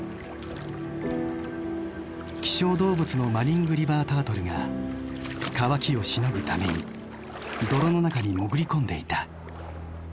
希少動物のマニング・リバー・タートルが乾きをしのぐために泥の中に潜り込んでいた。